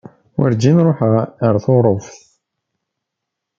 Weǧin ruḥeɣ ɣer Tuṛuft.